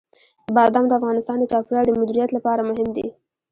بادام د افغانستان د چاپیریال د مدیریت لپاره مهم دي.